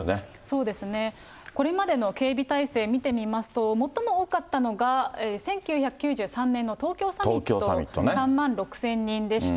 そうですね、これまでの警備態勢見てみますと、最も多かったのが１９９３年の東京サミット、３万６０００人でした。